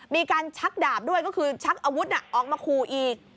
มีการชักดาบด้วยก็คือชักอาวุธออกมาขู่อีก